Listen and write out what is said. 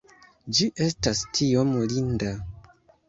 Ĝi estas tiom linda!